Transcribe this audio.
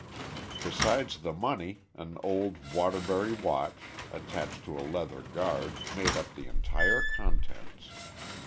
Besides the money, an old Waterbury watch, attached to a leather guard, made up the entire contents.